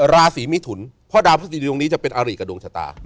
ราศีมิถุนเพราะดาวพฤษฎีตรงนี้จะเป็นอาริกับดวงชะตา